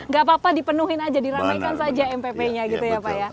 gak apa apa dipenuhin aja diramaikan saja mpp nya gitu ya pak ya